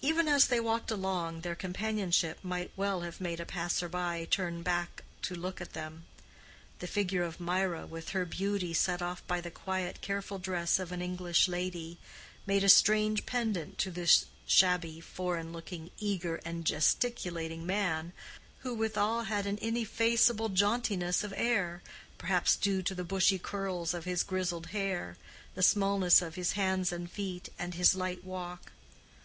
Even as they walked along, their companionship might well have made a passer by turn back to look at them. The figure of Mirah, with her beauty set off by the quiet, careful dress of an English lady, made a strange pendant to this shabby, foreign looking, eager, and gesticulating man, who withal had an ineffaceable jauntiness of air, perhaps due to the bushy curls of his grizzled hair, the smallness of his hands and feet, and his light walk.